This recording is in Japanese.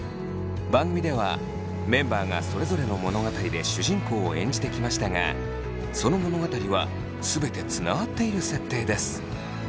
番組ではメンバーがそれぞれの物語で主人公を演じてきましたがその物語は全てつながっている設定です。